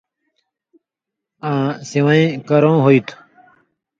آں سِوَیں کرؤں ہُوئ تُھو۔